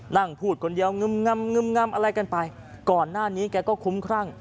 นั่งพูดคนเดียวงึมงำงึมงำอะไรกันไปก่อนหน้านี้แกก็คุ้มครั่ง